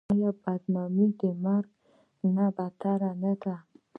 آیا بدنامي د مرګ نه بدتره نه ده؟